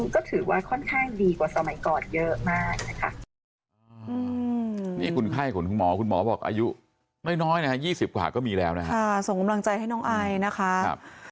ก็ถือว่าค่อนข้างดีกว่าสมัยก่อนเยอะมากนะคะ